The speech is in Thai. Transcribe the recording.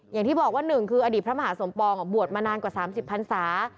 อย่างที่บอกว่า๑คืออดีตพระมหาสมปองบวชมานานกว่า๓๐พันศา